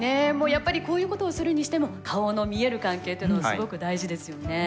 やっぱりこういうことをするにしても顔の見える関係っていうのはすごく大事ですよね。